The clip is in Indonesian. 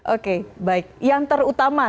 oke baik yang terutama